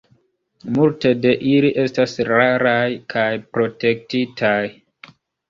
Multe de ili estas raraj kaj protektitaj.